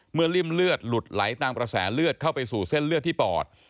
ริ่มเลือดหลุดไหลตามกระแสเลือดเข้าไปสู่เส้นเลือดที่ปอด